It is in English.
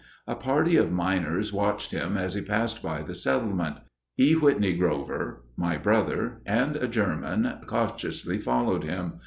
A party of miners watched him as he passed by the settlement. E. Whitney Grover, my brother, and a German cautiously followed him.